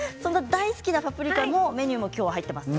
大好きなパプリカも今日のメニューには入っています。